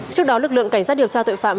trước đó lực lượng cảnh sát điều tra tội phạm